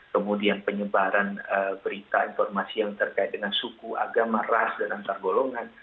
kemudian penyebaran berita informasi yang terkait dengan suku agama ras dan antar golongan